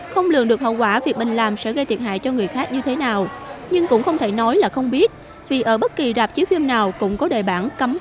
không lường được hậu quả việc mình làm sẽ gây thiệt hại cho người khác như thế nào nhưng cũng không thể nói là không biết vì ở bất kỳ rạp chiếc phim nào cũng có đề bản cấm quay lén phim đang trình chiếu